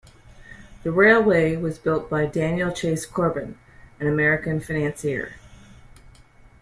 The railway was built by Daniel Chase Corbin, an American financier.